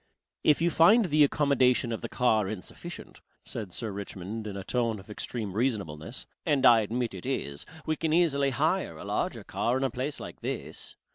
"If you find the accommodation of the car insufficient," said Sir Richmond in a tone of extreme reasonableness, and I admit it is, we can easily hire a larger car in a place like this.